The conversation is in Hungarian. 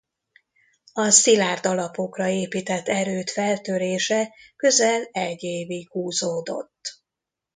A szilárd alapokra épített erőd feltörése közel egy évig húzódott.